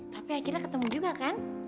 tapi akhirnya ketemu juga kan